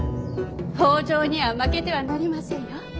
北条には負けてはなりませんよ。